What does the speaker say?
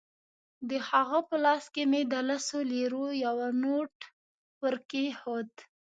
د هغه په لاس کې مې د لسو لیرو یو نوټ ورکېښود.